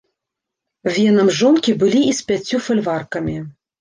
Венам жонкі былі і з пяццю фальваркамі.